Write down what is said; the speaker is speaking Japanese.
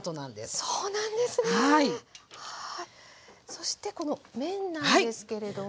そしてこの麺なんですけども。